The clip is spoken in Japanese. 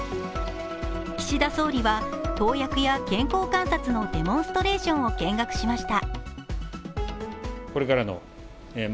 岸田総理は投薬や健康観察のデモンストレーションを見学しました。